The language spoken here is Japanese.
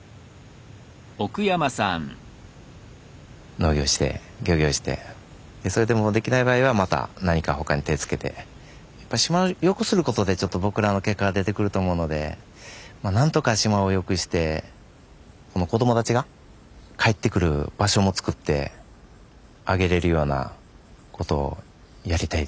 農業して漁業してでそれでもできない場合はまた何か他に手つけてやっぱ島をよくすることでちょっと僕らの結果が出てくると思うのでまあ何とか島をよくしてこの子供たちが帰ってくる場所も作ってあげれるようなことをやりたいです。